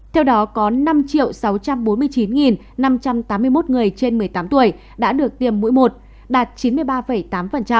theo đó có năm sáu trăm bốn mươi chín năm trăm tám mươi một người trên một mươi tám tuổi đã được tiêm mũi một đạt chín mươi ba tám